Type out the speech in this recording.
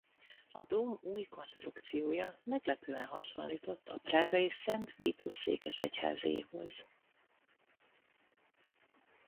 A dóm új konstrukciója meglepően hasonlított a prágai Szent Vitus-székesegyházéhoz.